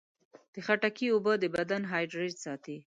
د خټکي اوبه د بدن هایډریټ ساتي.